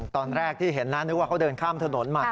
ตอนแรกที่เห็นนะนึกว่าเขาเดินข้ามถนนมา